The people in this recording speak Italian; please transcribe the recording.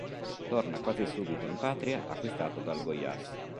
Torna quasi subito in patria, acquistato dal Goiás.